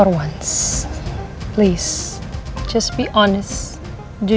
untuk satu kali tolong hanya jujur